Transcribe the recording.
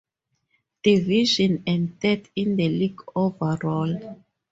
Division and third in the League overall.